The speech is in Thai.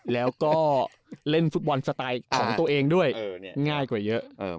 แล้วก็เล่นฟุตบอลสไตล์ของตัวเองด้วยง่ายกว่าเยอะ